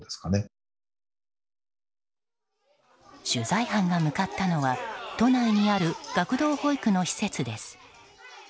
取材班が向かったのは都内にある学童保育の施設です。